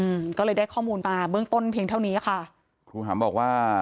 อืมก็เลยได้ข้อมูลมาเบื้องต้นเพียงเท่านี้ค่ะครูหำบอกว่า